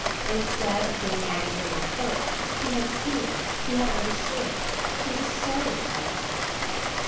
Instead of being angry or hurt, he had seen, he had understood, he was sorry for her!